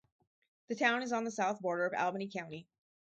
The town is on the south border of Albany County.